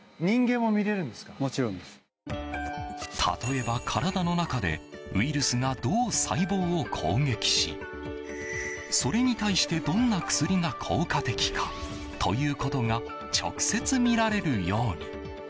例えば、体の中でウイルスがどう細胞を攻撃しそれに対してどんな薬が効果的かということが直接見られるように。